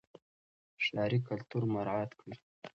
ښاري کلتور مراعات کړئ.